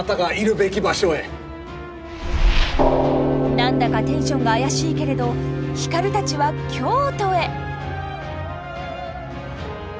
何だかテンションが怪しいけれど光たちは京都へ。